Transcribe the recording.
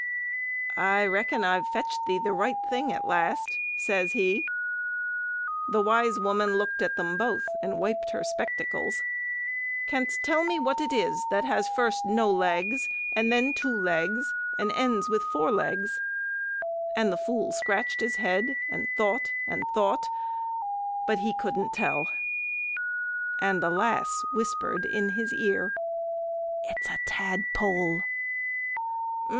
"I reckon I've fetched thee the right thing at last," says he. The wise woman looked at them both, and wiped her spectacles. "Canst tell me what that is as has first no legs, and then two legs, and ends with four legs?" And the fool scratched his head and thought and thought, but he couldn't tell. And the lass whispered in his ear: "It's a tadpole."